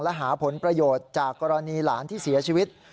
และหาผลประโยชน์จากกรณีหลานที่เสียชีวิต